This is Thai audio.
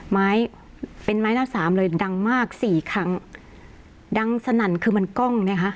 ไม้เป็นไม้ละสามเลยดังมากสี่ครั้งดังสนั่นคือมันกล้องนะคะ